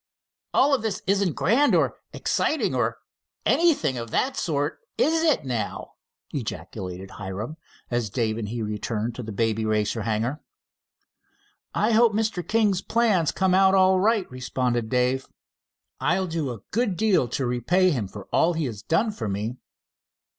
"All this isn't grand, or exciting, or anything of that sort, is it, now!" ejaculated Hiram, as Dave and he returned to the Baby Racer hangar. "I hope Mr. King's plans come out, all right," responded Dave. "I'll do a good deal to repay him for all he has done for me."